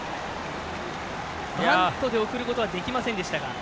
バントで送ることはできませんでしたが。